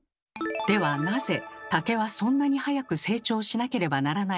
ではなぜ竹はそんなに早く成長しなければならないのでしょうか？